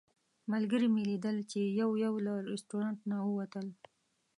ملګري مې لیدل چې یو یو له رسټورانټ نه ووتل.